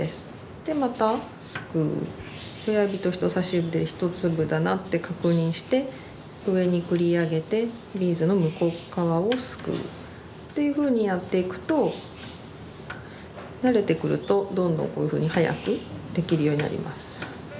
親指と人さし指で一粒だなって確認して上に繰り上げてビーズの向こう側をすくうというふうにやっていくと慣れてくるとどんどんこういうふうに早くできるようになります。